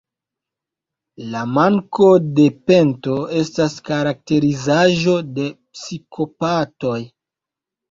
La manko de pento estas karakterizaĵo de psikopatoj.